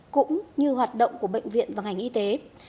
cũng như hoạt động của bệnh viện và ngành y tế